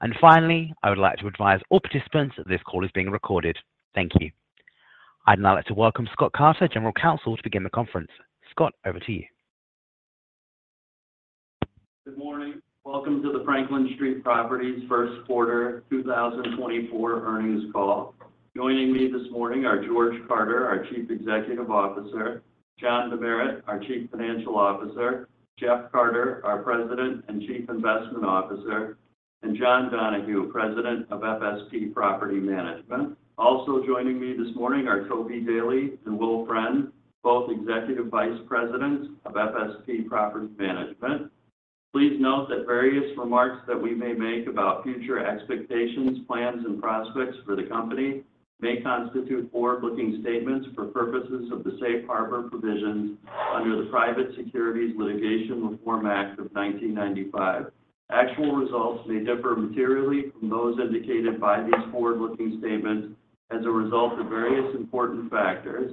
And finally, I would like to advise all participants that this call is being recorded. Thank you. I'd now like to welcome Scott Carter, General Counsel, to begin the conference. Scott, over to you. Good morning. Welcome to the Franklin Street Properties first quarter 2024 earnings call. Joining me this morning are George Carter, our Chief Executive Officer, John Demeritt, our Chief Financial Officer, Jeff Carter, our President and Chief Investment Officer, and John Donahue, President of FSP Property Management. Also joining me this morning are Toby Daly and Will Friend, both Executive Vice Presidents of FSP Property Management. Please note that various remarks that we may make about future expectations, plans, and prospects for the company may constitute forward-looking statements for purposes of the Safe Harbor provisions under the Private Securities Litigation Reform Act of 1995. Actual results may differ materially from those indicated by these forward-looking statements as a result of various important factors,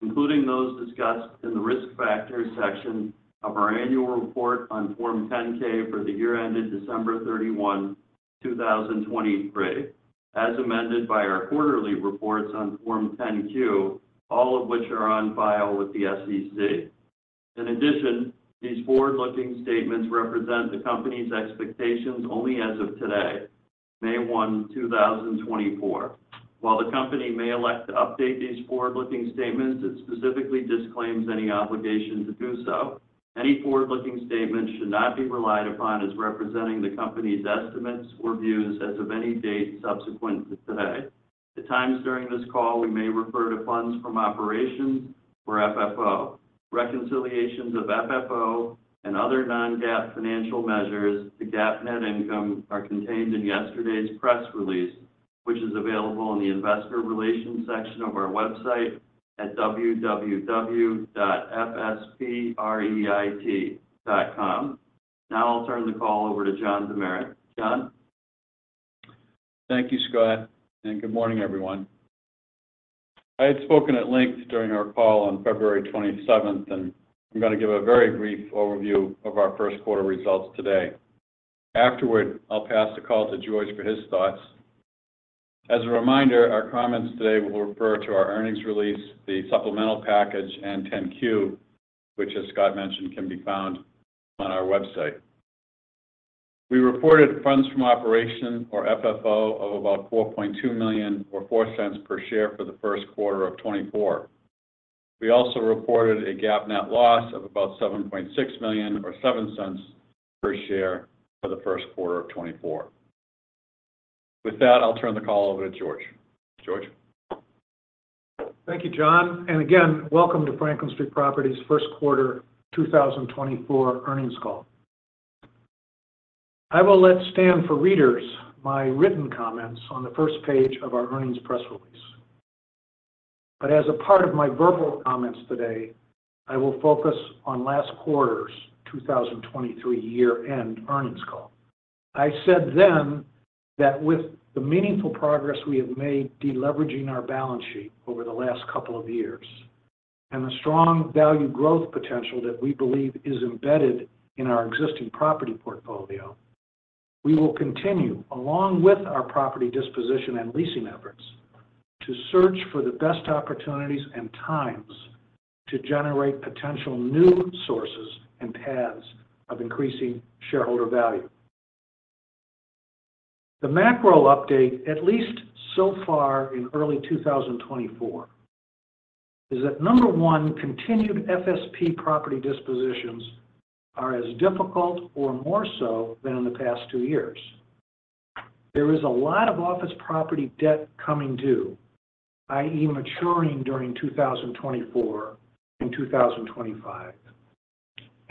including those discussed in the Risk Factors section of our annual report on Form 10-K for the year ended December 31, 2023, as amended by our quarterly reports on Form 10-Q, all of which are on file with the SEC. In addition, these forward-looking statements represent the company's expectations only as of today, May 1, 2024. While the company may elect to update these forward-looking statements, it specifically disclaims any obligation to do so. Any forward-looking statement should not be relied upon as representing the company's estimates or views as of any date subsequent to today. At times during this call, we may refer to funds from operations or FFO. Reconciliations of FFO and other non-GAAP financial measures to GAAP net income are contained in yesterday's press release, which is available in the Investor Relations section of our website at www.fspreit.com. Now I'll turn the call over to John Demeritt. John? Thank you, Scott, and good morning, everyone. I had spoken at length during our call on February 27th, and I'm going to give a very brief overview of our first quarter results today. Afterward, I'll pass the call to George for his thoughts. As a reminder, our comments today will refer to our earnings release, the supplemental package, and 10-Q, which, as Scott mentioned, can be found on our website. We reported funds from operations or FFO of about $4.2 million or $0.04 per share for the first quarter of 2024. We also reported a GAAP net loss of about $7.6 million or $0.07 per share for the first quarter of 2024. With that, I'll turn the call over to George. George? Thank you, John. Again, welcome to Franklin Street Properties first quarter 2024 earnings call. I will let stand for readers my written comments on the first page of our earnings press release. As a part of my verbal comments today, I will focus on last quarter's 2023 year-end earnings call. I said then that with the meaningful progress we have made deleveraging our balance sheet over the last couple of years and the strong value growth potential that we believe is embedded in our existing property portfolio, we will continue, along with our property disposition and leasing efforts, to search for the best opportunities and times to generate potential new sources and paths of increasing shareholder value. The macro update, at least so far in early 2024, is that, number one, continued FSP property dispositions are as difficult or more so than in the past two years. There is a lot of office property debt coming due, i.e., maturing during 2024 and 2025.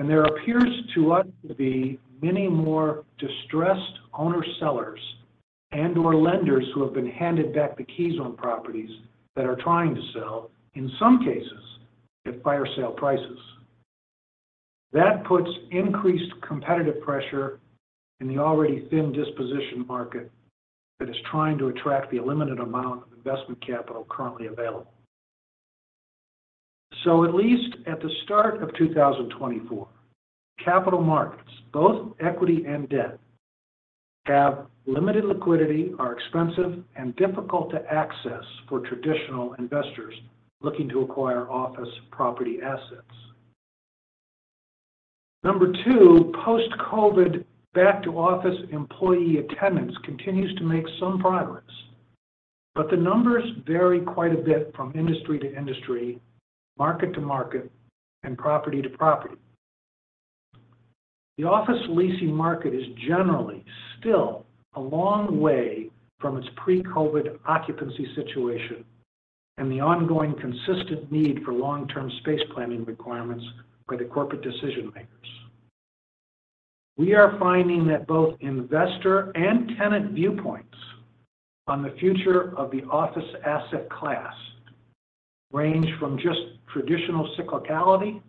There appears to us to be many more distressed owner-sellers and/or lenders who have been handed back the keys on properties that are trying to sell, in some cases, at fire sale prices. That puts increased competitive pressure in the already thin disposition market that is trying to attract the limited amount of investment capital currently available. At least at the start of 2024, capital markets, both equity and debt, have limited liquidity, are expensive, and difficult to access for traditional investors looking to acquire office property assets. Number two, post-COVID back-to-office employee attendance continues to make some progress, but the numbers vary quite a bit from industry to industry, market to market, and property to property. The office leasing market is generally still a long way from its pre-COVID occupancy situation and the ongoing consistent need for long-term space planning requirements by the corporate decision-makers. We are finding that both investor and tenant viewpoints on the future of the office asset class range from just traditional cyclicality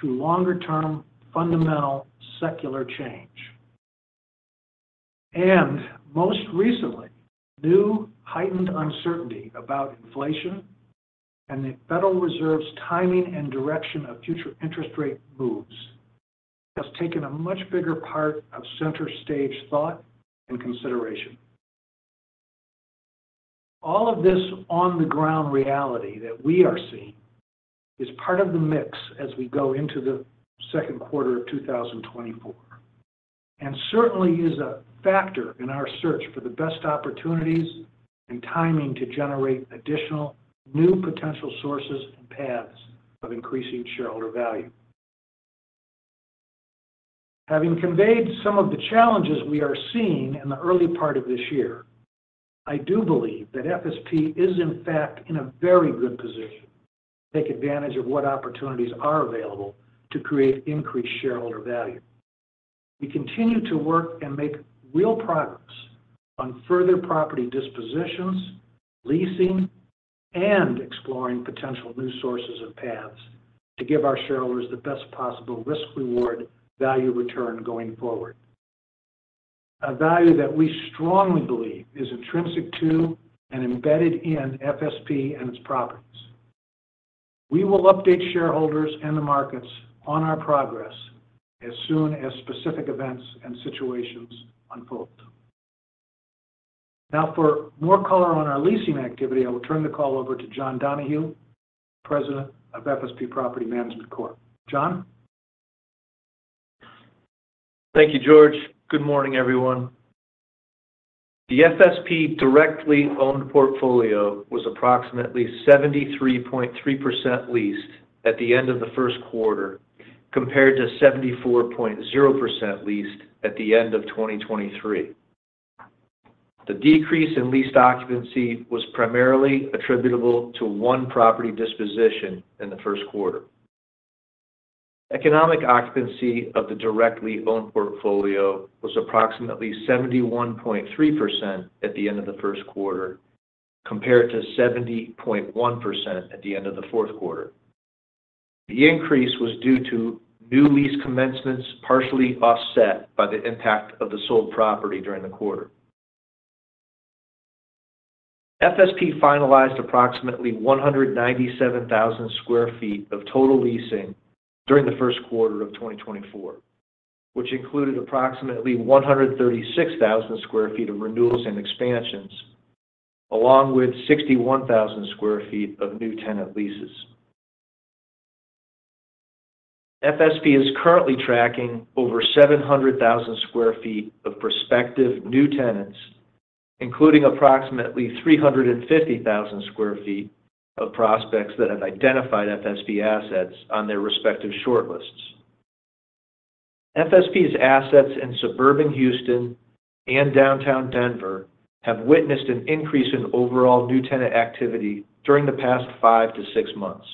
to longer-term fundamental secular change. Most recently, new heightened uncertainty about inflation and the Federal Reserve's timing and direction of future interest rate moves has taken a much bigger part of center stage thought and consideration. All of this on-the-ground reality that we are seeing is part of the mix as we go into the second quarter of 2024 and certainly is a factor in our search for the best opportunities and timing to generate additional new potential sources and paths of increasing shareholder value. Having conveyed some of the challenges we are seeing in the early part of this year, I do believe that FSP is, in fact, in a very good position to take advantage of what opportunities are available to create increased shareholder value. We continue to work and make real progress on further property dispositions, leasing, and exploring potential new sources and paths to give our shareholders the best possible risk-reward value return going forward, a value that we strongly believe is intrinsic to and embedded in FSP and its properties. We will update shareholders and the markets on our progress as soon as specific events and situations unfold. Now, for more color on our leasing activity, I will turn the call over to John Donahue, President of FSP Property Management Corp. John? Thank you, George. Good morning, everyone. The FSP directly owned portfolio was approximately 73.3% leased at the end of the first quarter compared to 74.0% leased at the end of 2023. The decrease in leased occupancy was primarily attributable to one property disposition in the first quarter. Economic occupancy of the directly owned portfolio was approximately 71.3% at the end of the first quarter compared to 70.1% at the end of the fourth quarter. The increase was due to new lease commencements partially offset by the impact of the sold property during the quarter. FSP finalized approximately 197,000 sq ft of total leasing during the first quarter of 2024, which included approximately 136,000 sq ft of renewals and expansions, along with 61,000 sq ft of new tenant leases. FSP is currently tracking over 700,000 sq ft of prospective new tenants, including approximately 350,000 sq ft of prospects that have identified FSP assets on their respective shortlists. FSP's assets in suburban Houston and downtown Denver have witnessed an increase in overall new tenant activity during the past five to six months.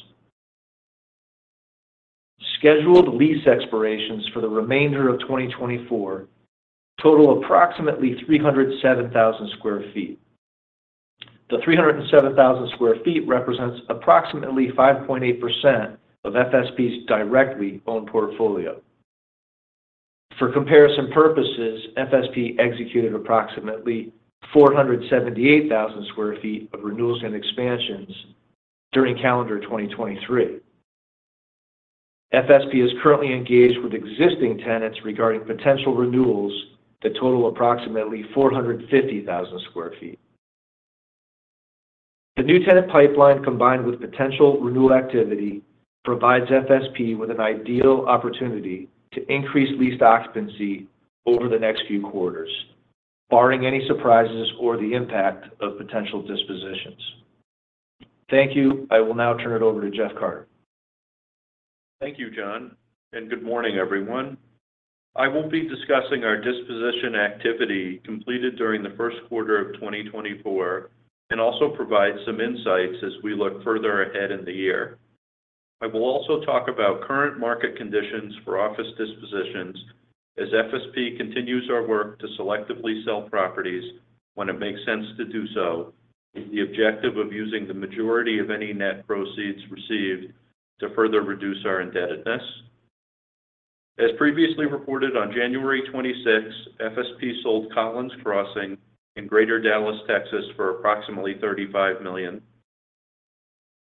Scheduled lease expirations for the remainder of 2024 total approximately 307,000 sq ft. The 307,000 sq ft represents approximately 5.8% of FSP's directly owned portfolio. For comparison purposes, FSP executed approximately 478,000 sq ft of renewals and expansions during calendar 2023. FSP is currently engaged with existing tenants regarding potential renewals that total approximately 450,000 sq ft. The new tenant pipeline, combined with potential renewal activity, provides FSP with an ideal opportunity to increase leased occupancy over the next few quarters, barring any surprises or the impact of potential dispositions. Thank you. I will now turn it over to Jeff Carter. Thank you, John, and good morning, everyone. I will be discussing our disposition activity completed during the first quarter of 2024 and also provide some insights as we look further ahead in the year. I will also talk about current market conditions for office dispositions as FSP continues our work to selectively sell properties when it makes sense to do so with the objective of using the majority of any net proceeds received to further reduce our indebtedness. As previously reported on January 26th, FSP sold Collins Crossing in Greater Dallas, Texas, for approximately $35 million.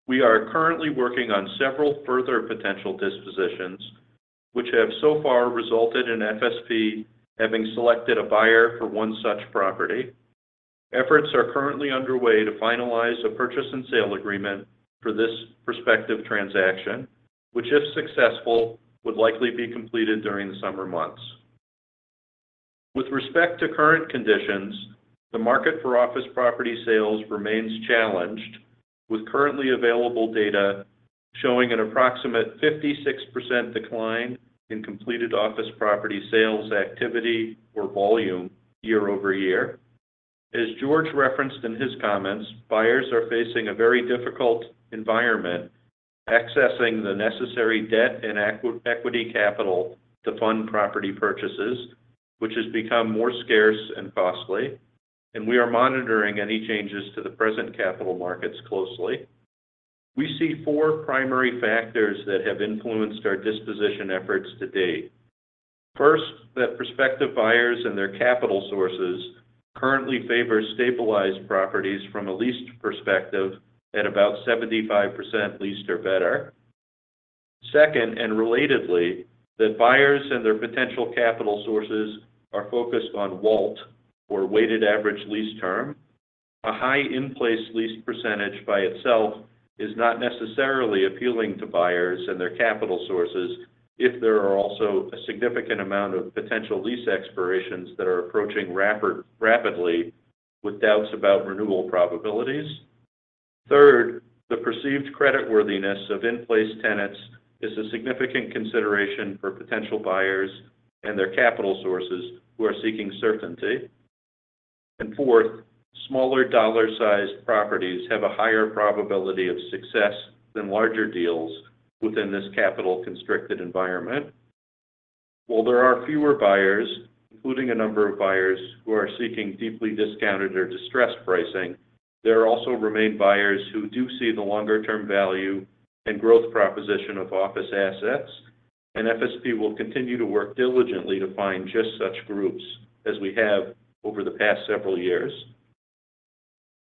We are currently working on several further potential dispositions, which have so far resulted in FSP having selected a buyer for one such property. Efforts are currently underway to finalize a purchase and sale agreement for this prospective transaction, which, if successful, would likely be completed during the summer months. With respect to current conditions, the market for office property sales remains challenged, with currently available data showing an approximate 56% decline in completed office property sales activity or volume year-over-year. As George referenced in his comments, buyers are facing a very difficult environment accessing the necessary debt and equity capital to fund property purchases, which has become more scarce and costly, and we are monitoring any changes to the present capital markets closely. We see four primary factors that have influenced our disposition efforts to date. First, that prospective buyers and their capital sources currently favor stabilized properties from a leased perspective at about 75% leased or better. Second, and relatedly, that buyers and their potential capital sources are focused on WALT, or weighted average lease term. A high in-place lease percentage by itself is not necessarily appealing to buyers and their capital sources if there are also a significant amount of potential lease expirations that are approaching rapidly with doubts about renewal probabilities. Third, the perceived creditworthiness of in-place tenants is a significant consideration for potential buyers and their capital sources who are seeking certainty. And fourth, smaller dollar-sized properties have a higher probability of success than larger deals within this capital-constricted environment. While there are fewer buyers, including a number of buyers who are seeking deeply discounted or distressed pricing, there also remain buyers who do see the longer-term value and growth proposition of office assets, and FSP will continue to work diligently to find just such groups as we have over the past several years.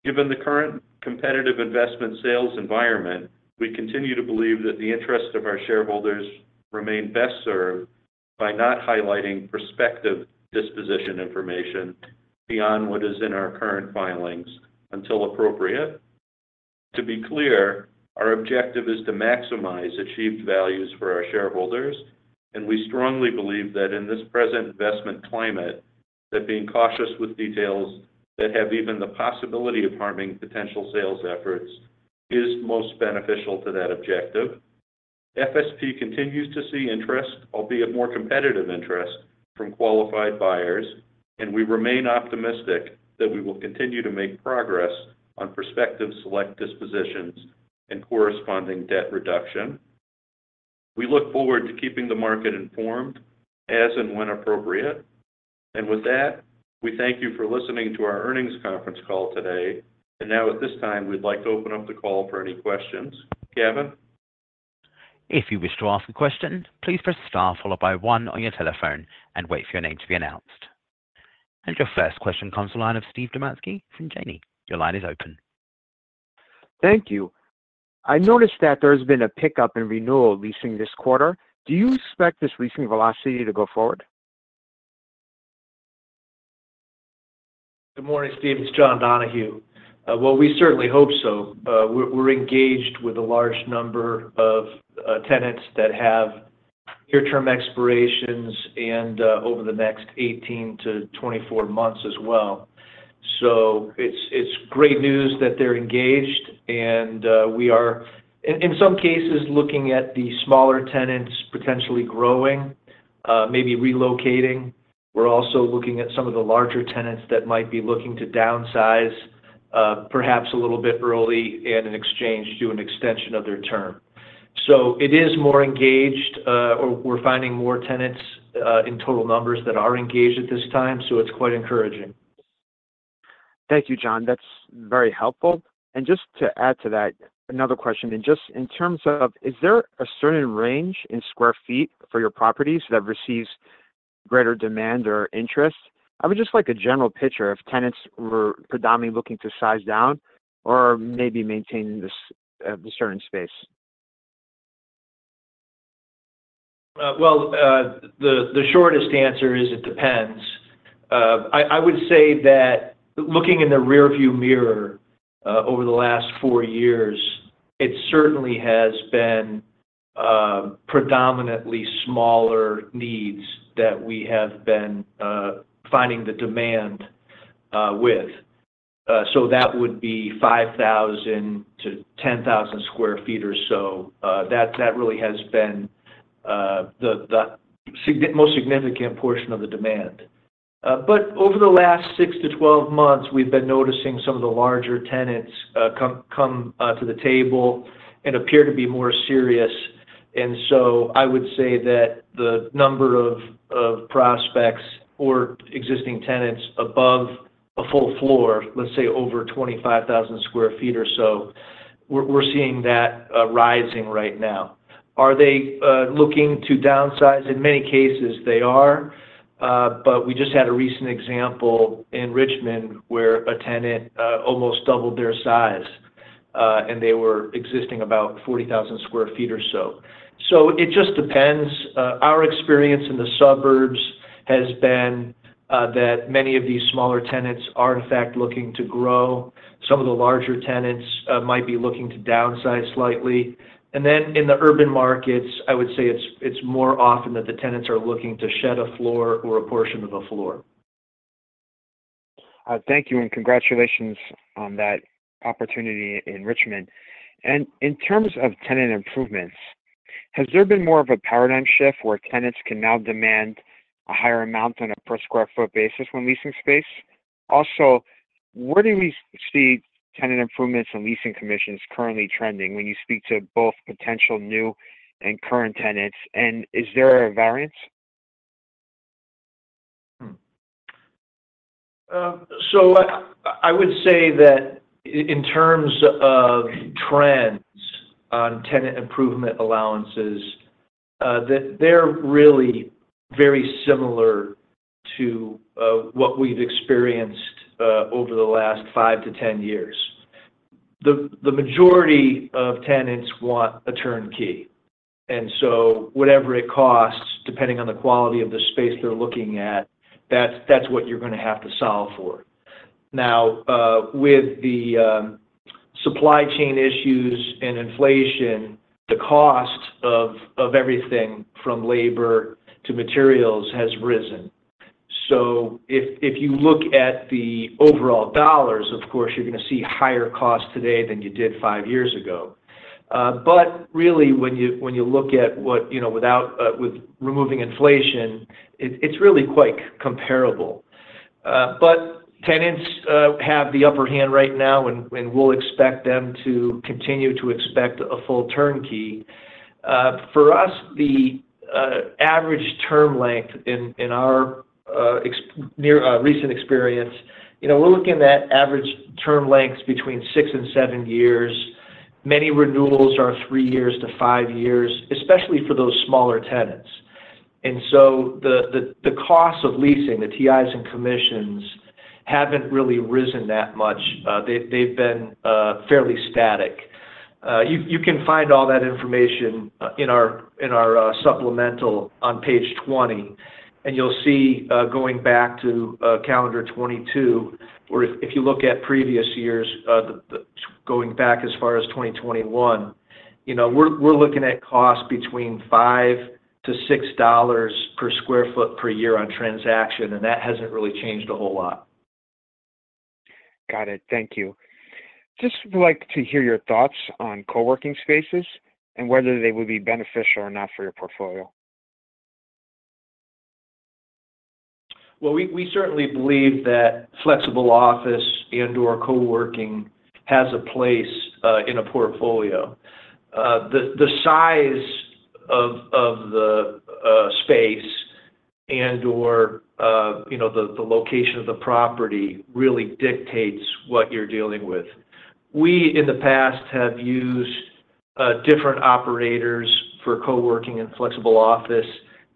Given the current competitive investment sales environment, we continue to believe that the interests of our shareholders remain best served by not highlighting prospective disposition information beyond what is in our current filings until appropriate. To be clear, our objective is to maximize achieved values for our shareholders, and we strongly believe that in this present investment climate, that being cautious with details that have even the possibility of harming potential sales efforts is most beneficial to that objective. FSP continues to see interest, albeit more competitive interest, from qualified buyers, and we remain optimistic that we will continue to make progress on prospective select dispositions and corresponding debt reduction. We look forward to keeping the market informed as and when appropriate. With that, we thank you for listening to our earnings conference call today. Now, at this time, we'd like to open up the call for any questions. Gavin? If you wish to ask a question, please press Star followed by one on your telephone and wait for your name to be announced. Your first question comes to the line of Steven Dumanski from Janney. Your line is open. Thank you. I noticed that there has been a pickup in renewal leasing this quarter. Do you expect this leasing velocity to go forward? Good morning, Steve. It's John Donahue. Well, we certainly hope so. We're engaged with a large number of tenants that have near-term expirations and over the next 18-24 months as well. So it's great news that they're engaged, and we are, in some cases, looking at the smaller tenants potentially growing, maybe relocating. We're also looking at some of the larger tenants that might be looking to downsize, perhaps a little bit early, in exchange to an extension of their term. So it is more engaged, or we're finding more tenants in total numbers that are engaged at this time, so it's quite encouraging. Thank you, John. That's very helpful. Just to add to that, another question. Just in terms of, is there a certain range in square feet for your properties that receives greater demand or interest? I would just like a general picture of tenants predominantly looking to size down or maybe maintain this certain space. Well, the shortest answer is it depends. I would say that looking in the rearview mirror over the last four years, it certainly has been predominantly smaller needs that we have been finding the demand with. So that would be 5,000-10,000 sq ft or so. That really has been the most significant portion of the demand. But over the last 6-12 months, we've been noticing some of the larger tenants come to the table and appear to be more serious. And so I would say that the number of prospects or existing tenants above a full floor, let's say over 25,000 sq ft or so, we're seeing that rising right now. Are they looking to downsize? In many cases, they are. We just had a recent example in Richmond where a tenant almost doubled their size, and they were existing about 40,000 sq ft or so. It just depends. Our experience in the suburbs has been that many of these smaller tenants are, in fact, looking to grow. Some of the larger tenants might be looking to downsize slightly. In the urban markets, I would say it's more often that the tenants are looking to shed a floor or a portion of a floor. Thank you and congratulations on that opportunity in Richmond. In terms of tenant improvements, has there been more of a paradigm shift where tenants can now demand a higher amount on a per square foot basis when leasing space? Also, where do we see tenant improvements and leasing commissions currently trending when you speak to both potential new and current tenants? Is there a variance? So I would say that in terms of trends on tenant improvement allowances, they're really very similar to what we've experienced over the last 5-10 years. The majority of tenants want a turnkey. And so whatever it costs, depending on the quality of the space they're looking at, that's what you're going to have to solve for. Now, with the supply chain issues and inflation, the cost of everything from labor to materials has risen. So if you look at the overall dollars, of course, you're going to see higher costs today than you did five years ago. But really, when you look at what with removing inflation, it's really quite comparable. But tenants have the upper hand right now, and we'll expect them to continue to expect a full turnkey. For us, the average term length in our recent experience, we're looking at average term lengths between six and seven years. Many renewals are three years-five years, especially for those smaller tenants. And so the cost of leasing, the TIs and commissions, haven't really risen that much. They've been fairly static. You can find all that information in our supplemental on page 20, and you'll see going back to calendar 2022, or if you look at previous years, going back as far as 2021, we're looking at costs between $5-$6 per sq ft per year on transaction, and that hasn't really changed a whole lot. Got it. Thank you. Just would like to hear your thoughts on coworking spaces and whether they would be beneficial or not for your portfolio. Well, we certainly believe that flexible office and/or coworking has a place in a portfolio. The size of the space and/or the location of the property really dictates what you're dealing with. We, in the past, have used different operators for coworking and flexible office,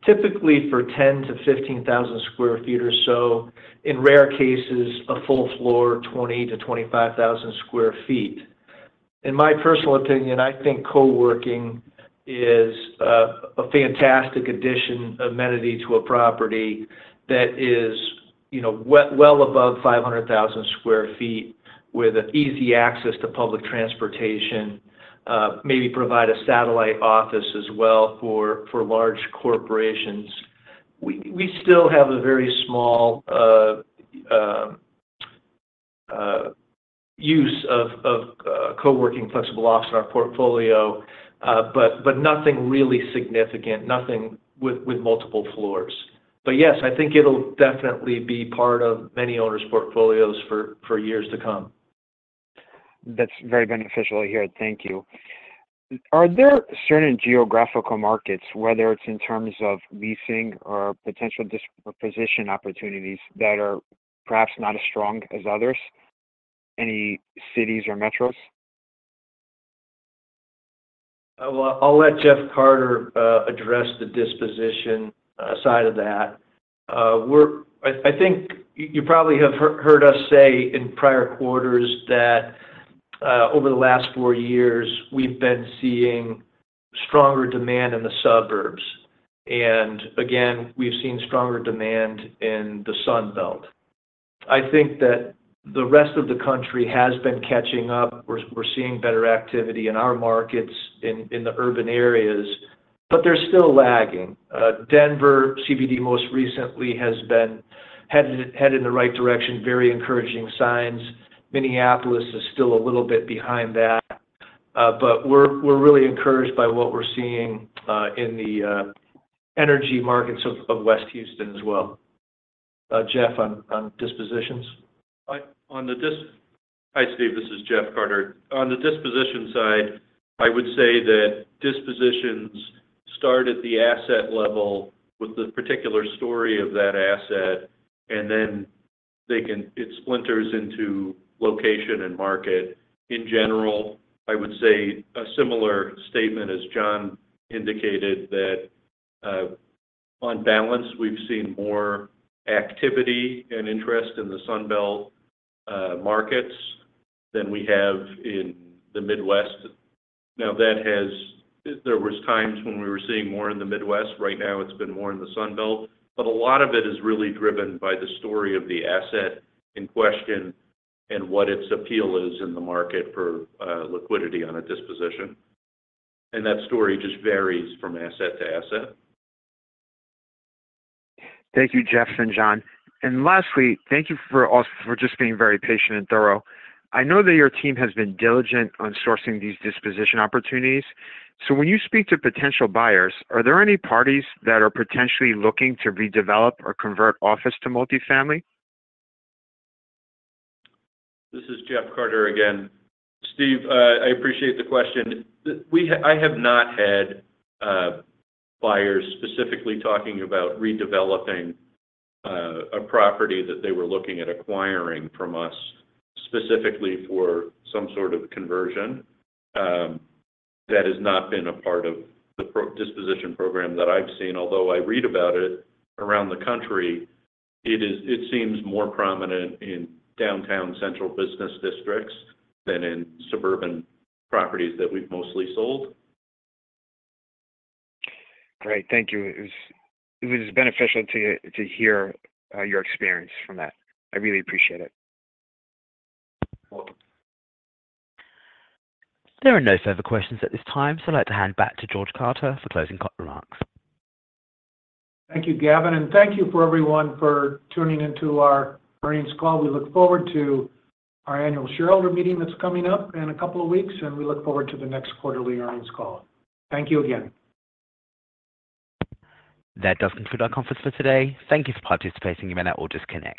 typically for 10,000-15,000 sq ft or so. In rare cases, a full floor, 20,000-25,000 sq ft. In my personal opinion, I think coworking is a fantastic addition amenity to a property that is well above 500,000 sq ft with easy access to public transportation, maybe provide a satellite office as well for large corporations. We still have a very small use of coworking flexible office in our portfolio, but nothing really significant, nothing with multiple floors. But yes, I think it'll definitely be part of many owners' portfolios for years to come. That's very beneficial to hear. Thank you. Are there certain geographical markets, whether it's in terms of leasing or potential disposition opportunities, that are perhaps not as strong as others, any cities or metros? Well, I'll let Jeff Carter address the disposition side of that. I think you probably have heard us say in prior quarters that over the last four years, we've been seeing stronger demand in the suburbs. And again, we've seen stronger demand in the Sunbelt. I think that the rest of the country has been catching up. We're seeing better activity in our markets, in the urban areas, but they're still lagging. Denver, CBD, most recently, has been headed in the right direction, very encouraging signs. Minneapolis is still a little bit behind that. But we're really encouraged by what we're seeing in the energy markets of West Houston as well. Jeff, on dispositions? Hi, Steve. This is Jeff Carter. On the disposition side, I would say that dispositions start at the asset level with the particular story of that asset, and then it splinters into location and market. In general, I would say a similar statement as John indicated that on balance, we've seen more activity and interest in the Sunbelt markets than we have in the Midwest. Now, there were times when we were seeing more in the Midwest. Right now, it's been more in the Sunbelt. But a lot of it is really driven by the story of the asset in question and what its appeal is in the market for liquidity on a disposition. And that story just varies from asset to asset. Thank you, Jeff and John. Lastly, thank you for just being very patient and thorough. I know that your team has been diligent on sourcing these disposition opportunities. When you speak to potential buyers, are there any parties that are potentially looking to redevelop or convert office to multifamily? This is Jeff Carter again. Steve, I appreciate the question. I have not had buyers specifically talking about redeveloping a property that they were looking at acquiring from us specifically for some sort of conversion. That has not been a part of the disposition program that I've seen. Although I read about it around the country, it seems more prominent in downtown central business districts than in suburban properties that we've mostly sold. Great. Thank you. It was beneficial to hear your experience from that. I really appreciate it. Welcome. There are no further questions at this time, so I'd like to hand back to George Carter for closing remarks. Thank you, Gavin. Thank you for everyone for tuning into our earnings call. We look forward to our annual shareholder meeting that's coming up in a couple of weeks, and we look forward to the next quarterly earnings call. Thank you again. That does conclude our conference for today. Thank you for participating. You may now all disconnect.